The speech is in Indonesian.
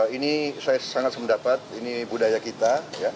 ini saya sangat sempat dapat ini budaya kita